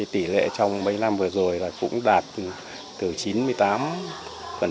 tỉ lệ trong mấy năm vừa rồi tỉ lệ trong mấy năm vừa rồi tỉ lệ trong mấy năm vừa rồi